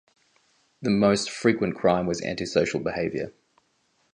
The most frequent crime was anti-social behaviour.